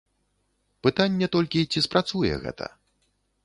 Пытанне толькі, ці спрацуе гэта.